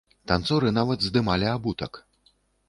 Танцоры нават здымалі абутак.